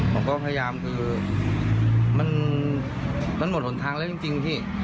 ผมก็พยายามคือมันหมดหนทางแล้วจริงพี่